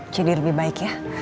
jadi lebih baik ya